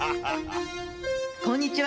こんにちは。